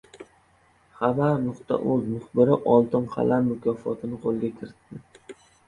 «Xabar.uz» muxbiri «Oltin qalam» mukofotini qo‘lga kiritdi